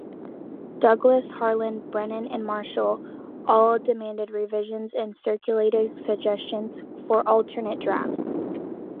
Douglas, Harlan, Brennan and Marshall all demanded revisions and circulated suggestions for alternate drafts.